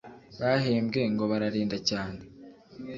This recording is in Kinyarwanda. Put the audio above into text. bahembwe ngo bararinda cyane